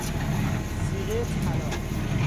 صیغه طلاق